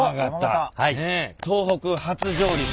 東北初上陸。